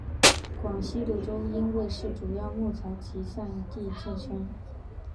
广西柳州因为是主要木材集散地之称。